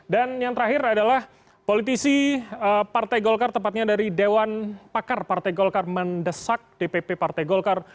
dan yang terakhir adalah politisi partai golkar tepatnya dari dewan pakar partai golkar mendesak dpp partai golkar